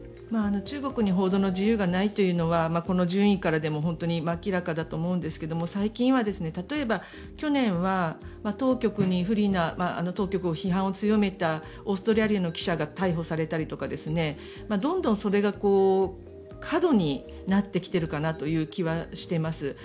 中国に報道の自由がないというのはこの順位からでも本当に明らかだと思うんですが最近は、例えば去年は当局に不利な当局の批判を強めたオーストラリアの記者が逮捕されたりとかどんどんそれが過度になってきているかなという気はしています。